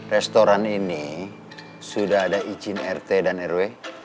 restoran ini sudah ada izin rt dan rw